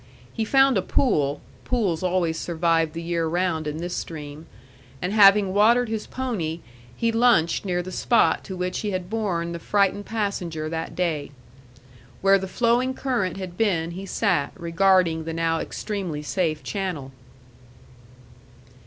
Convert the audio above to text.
He found a pool, pools always survive the year round in this stream, and having watered his pony, he lunched near the spot to which he had borne the frightened passenger that day. Where the flowing current had been he sat, regarding the now extremely safe channel.